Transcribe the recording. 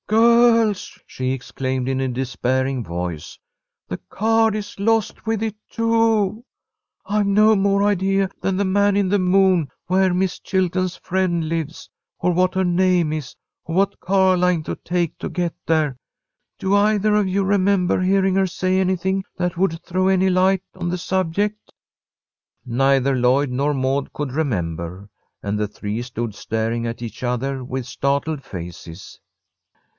"Girls!" she exclaimed, in a despairing voice, "the card is lost with it, too. I've no more idea than the man in the moon where Miss Chilton's friend lives, or what her name is, or what car line to take to get there. Do either of you remember hearing her say anything that would throw any light on the subject?" Neither Lloyd nor Maud could remember, and the three stood staring at each other with startled faces.